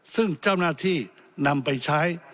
ซึ่งเจ้าหน้าที่นำไปใช้